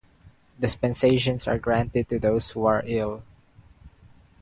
Dispensations are granted to those who are ill.